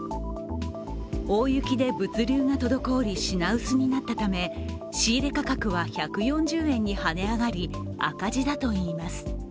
大雪で物流が滞り品薄になったため仕入れ価格は１４０円に跳ね上がり赤字だといいます。